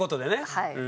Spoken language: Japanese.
はい。